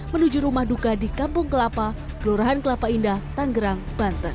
menuju rumah duka di kampung kelapa kelurahan kelapa indah tanggerang banten